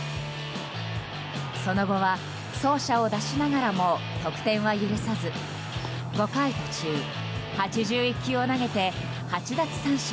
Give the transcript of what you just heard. その後は走者を出しながらも得点は許さず５回途中８１球を投げて８奪三振。